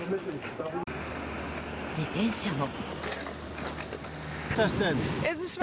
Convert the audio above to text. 自転車も。